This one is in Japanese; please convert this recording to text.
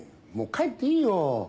もう帰っていいよ。